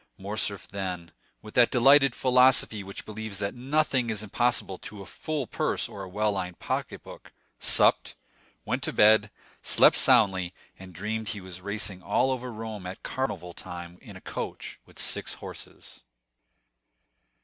Morcerf then, with that delighted philosophy which believes that nothing is impossible to a full purse or well lined pocketbook, supped, went to bed, slept soundly, and dreamed he was racing all over Rome at Carnival time in a coach with six horses.